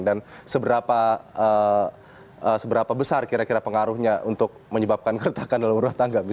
dan seberapa besar kira kira pengaruhnya untuk menyebabkan keretakan dalam rumah tangga